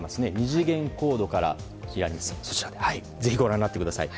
２次元コードからぜひご覧になってください。